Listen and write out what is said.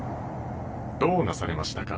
どうなされましたか？